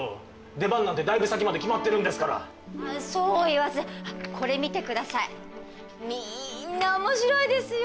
出番なんてだいぶ先まで決まってるんですからそう言わずこれ見てくださいみーんな面白いですよ